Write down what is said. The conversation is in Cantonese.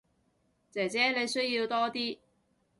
姐姐你需要多啲